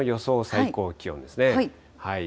最高気温ですね。